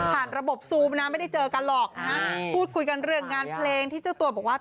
ระบบซูมนะไม่ได้เจอกันหรอกนะฮะพูดคุยกันเรื่องงานเพลงที่เจ้าตัวบอกว่า